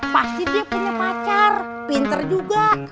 pasti dia punya pacar pinter juga